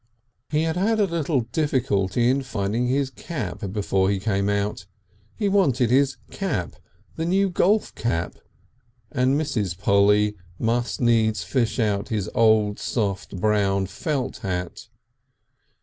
He had had a little difficulty in finding his cap before he came out. He wanted his cap the new golf cap and Mrs. Polly must needs fish out his old soft brown felt hat.